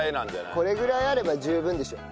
これぐらいあれば十分でしょ。